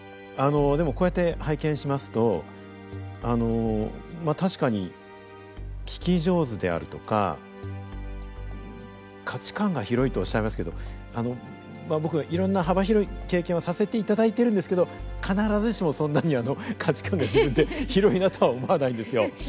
あのでもこうやって拝見しますとあのまあ確かに聞き上手であるとか価値観が広いとおっしゃいますけどあの僕いろんな幅広い経験をさせていただいてるんですけど必ずしもそんなに価値観が自分で広いなとは思わないんですよ。